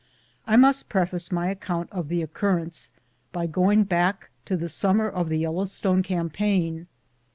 I must preface my account of the occurrence by going back to the summer of the Yellowstone campaign.